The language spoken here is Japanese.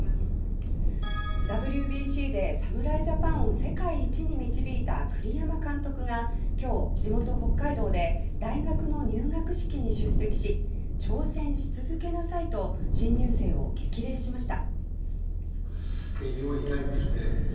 ＷＢＣで侍ジャパンを世界一に導いた栗山監督が今日地元・北海道で大学の入学式に出席し挑戦し続けなさいと新入生を激励しました。